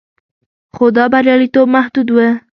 خو دا بریالیتوب محدود و